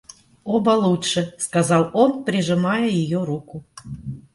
Оба лучше, — сказал он, прижимая ее руку.